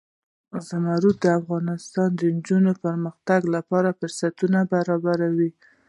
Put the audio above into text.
زمرد د افغان نجونو د پرمختګ لپاره فرصتونه برابروي.